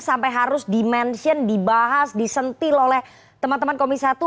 sampai harus di mention dibahas disentil oleh teman teman komisi satu